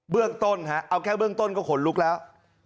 เบื้องต้นเอาแค่เบื้องต้นก็ขนลุกแล้ว